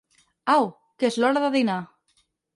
Au, que és l'hora de dinar.